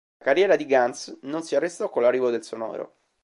La carriera di Gance non si arrestò con l'arrivo del sonoro.